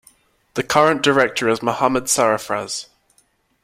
The current director is Mohammad Sarafraz.